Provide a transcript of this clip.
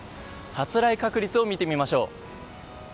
発雷確率を見てみましょう。